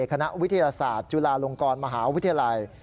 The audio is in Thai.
คณะวิทยาศาสตร์จุฬาลงกรมหาวิทยาลัย